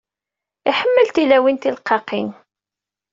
Iḥemmel tilawin tileqqaqin.